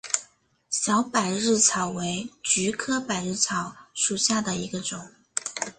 小百日草为菊科百日草属下的一个种。